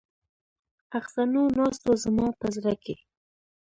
اغزنو ناستو زما په زړه کې.